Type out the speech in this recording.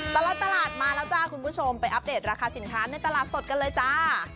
ตลอดตลาดมาแล้วจ้าคุณผู้ชมไปอัปเดตราคาสินค้าในตลาดสดกันเลยจ้า